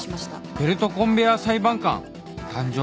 「ベルトコンベアー裁判官誕生！！」